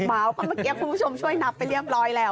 เหมาะเค้ามันเกียจวิทย์ชมช่วยนับไปเรียบร้อยแล้ว